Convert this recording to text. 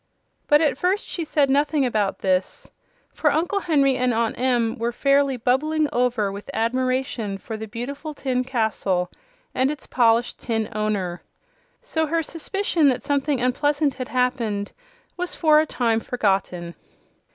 But at first she said nothing about this, for Uncle Henry and Aunt Em were fairly bubbling over with admiration for the beautiful tin castle and its polished tin owner. So her suspicion that something unpleasant had happened was for a time forgotten.